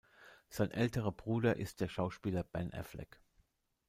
Sein älterer Bruder ist der Schauspieler Ben Affleck.